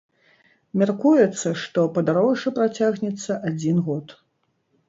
Мяркуецца, што падарожжа працягнецца адзін год.